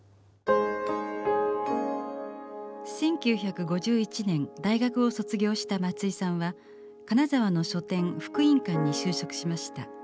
１９５１年大学を卒業した松居さんは金沢の書店福音館に就職しました。